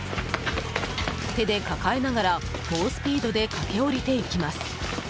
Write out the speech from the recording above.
手で抱えながら、猛スピードで駆け下りていきます。